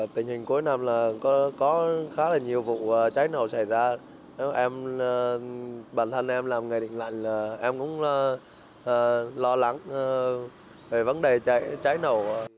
tình hình cuối năm là có khá là nhiều vụ cháy nổ xảy ra bản thân em làm nghề điện lạnh là em cũng lo lắng về vấn đề cháy nổ